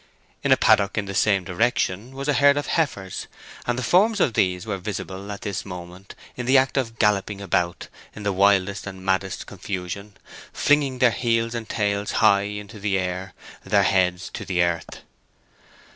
In a paddock in the same direction was a herd of heifers, and the forms of these were visible at this moment in the act of galloping about in the wildest and maddest confusion, flinging their heels and tails high into the air, their heads to earth.